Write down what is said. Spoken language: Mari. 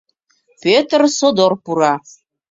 Пӧтыр содор пура.